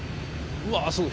うわすごい。